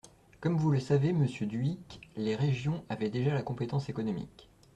Comme vous le savez, monsieur Dhuicq, les régions avaient déjà la compétence économique.